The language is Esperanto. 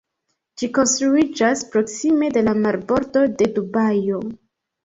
Ĝi konstruiĝas proksime de la marbordo de Dubajo.